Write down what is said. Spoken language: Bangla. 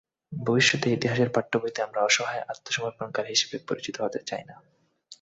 ভবিষ্যতে ইতিহাসের পাঠ্যবইতে আমরা অসহায় আত্মসমর্পণকারী হিসেবে পরিচিত হতে চাই না।